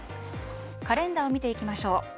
カレンダーを見ていきましょう。